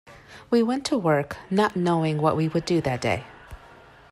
We went to work, not knowing what we would do that day.